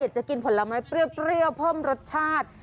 จะกินผลไม้เปรี้ยวเพิ่มรสชาติ